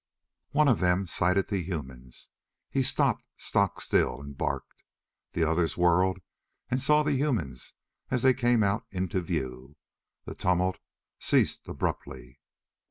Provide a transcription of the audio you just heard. One of them sighted the humans. He stopped stock still and barked. The others whirled and saw the humans as they came out into view. The tumult ceased abruptly.